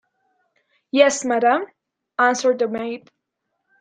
"Yes, madame," answered the maid.